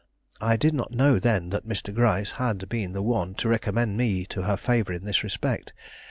I did not know then that Mr. Gryce had been the one to recommend me to her favor in this respect.